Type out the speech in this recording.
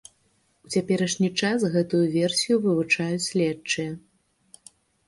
У цяперашні час гэтую версію вывучаюць следчыя.